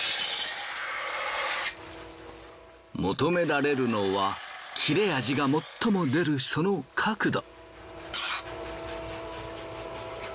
求められるのは切れ味が最も出るその角度。